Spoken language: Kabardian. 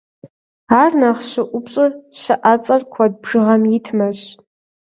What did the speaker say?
Ар нэхъ щыӏупщӏыр щыӏэцӏэр куэд бжыгъэм итмэщ.